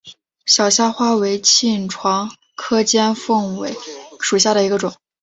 小虾花为爵床科尖尾凤属下的一个种。